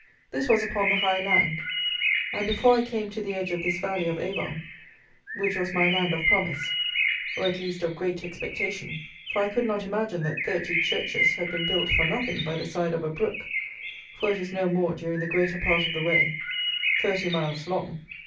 This was upon the high land, and before I came to the edge of this Valley of Avon, which was my land of promise; or, at least, of great expectation; for I could not imagine that thirty churches had been built for nothing by the side of a brook (for it is no more during the greater part of the way) thirty miles long.